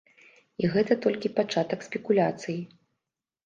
І гэта толькі пачатак спекуляцый.